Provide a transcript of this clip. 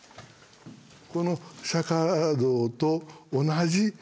この釈像と同じ。